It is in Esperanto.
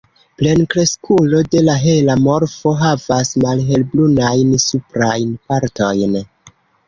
Plenkreskulo de la hela morfo havas malhelbrunajn suprajn partojn.